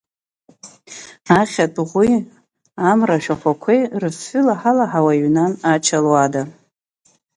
Ахьатә ӷәи амра ашәахәақәеи рыфҩы лаҳалаҳауа иҩнан Ача луада.